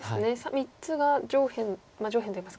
３つが上辺上辺といいますか。